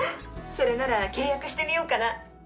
それなら契約してみようかな。